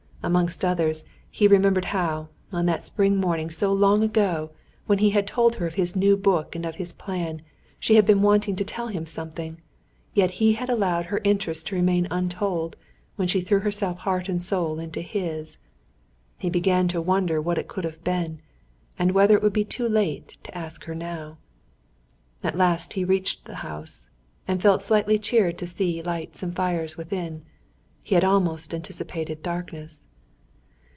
Amongst others, he remembered how, on that spring morning so long ago, when he had told her of his new book and of his plan, she had been wanting to tell him something, yet he had allowed her interest to remain untold, when she threw herself heart and soul into his. He began to wonder what it could have been; and whether it would be too late to ask her now. At last he reached the house, and felt slightly cheered to see lights and fires within. He had almost anticipated darkness.